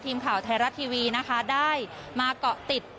ทีมข่าวไทยรัฐทีวีนะคะได้มาเกาะติด